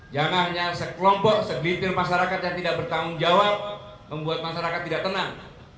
jangan hanya sekelompok segelitir masyarakat yang tidak bertanggung jawab membuat masyarakat tidak tenang